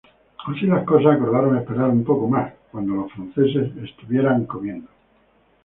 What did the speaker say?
Así las cosas, acordaron esperar un poco más, cuando los franceses estuvieran comiendo.